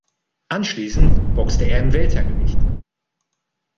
Anschließend boxte er im Weltergewicht.